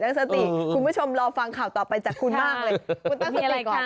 คุณผู้ชมรอฟังข่าวต่อไปจากคุณมากเลย